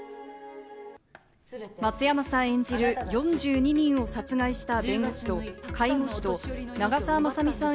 松山さん演じる、４２人を殺害した介護士と長澤まさみさん